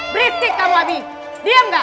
beristik kamu abie diam gak